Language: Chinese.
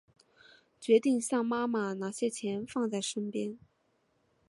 决定向妈妈拿些钱放在身边